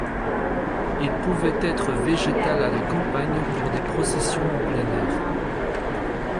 Il pouvait être végétal à la campagne, pour des processions en plein air.